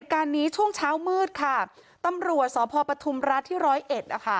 ในการนี้ช่วงเช้ามืดค่ะตำรวจสอบพอประทุมรัฐที่ร้อยเอ็ด